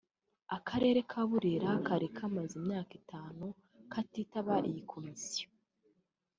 Akarere ka Burera kari kamaze imyaka itanu katitaba iyi komisiyo